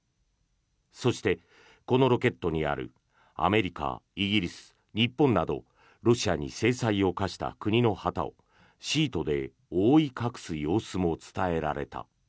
そして、このロケットにあるアメリカ、イギリス、日本などロシアに制裁を科した国の旗をシートで覆い隠す様子も伝えられた。